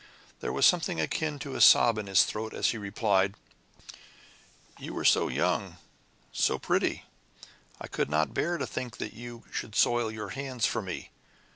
There was something akin to a sob in his throat as he replied: "You were so young so pretty! I could not bear to think that you should soil your hands for me!